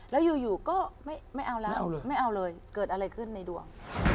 แล้วอยู่ก็ไม่เอาแล้วไม่เอาเลยเกิดอะไรขึ้นในดวง